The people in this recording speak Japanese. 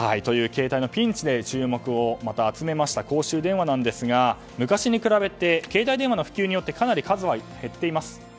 携帯のピンチで注目をまた集めました公衆電話ですが昔に比べて携帯電話の普及によってかなり数は減っています。